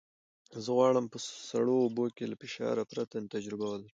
زه غواړم په سړو اوبو کې له فشار پرته تجربه ولرم.